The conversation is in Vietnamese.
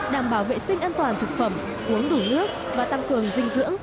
đảm bảo vệ sinh an toàn thực phẩm uống đủ nước và tăng cường dinh dưỡng